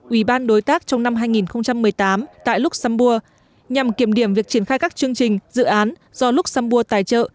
ủy ban đối tác trong năm hai nghìn một mươi tám tại luxembourg nhằm kiểm điểm việc triển khai các chương trình dự án do luxembourg tài trợ